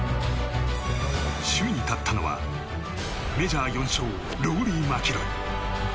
首位に立ったのはメジャー４勝ローリー・マキロイ。